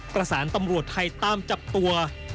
ตำรวจไทยตามจับตัว